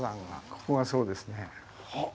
ここがそうですね。